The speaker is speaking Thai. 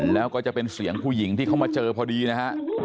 แล้วก็จะเป็นเสียงผู้หญิงที่เขามาเจอพอดีนะฮะ